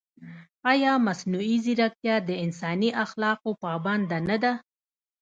ایا مصنوعي ځیرکتیا د انساني اخلاقو پابنده نه ده؟